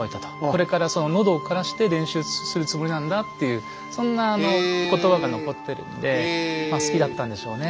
「これから喉をからして練習するつもりなんだ」というそんな言葉が残ってるんでまあ好きだったんでしょうね。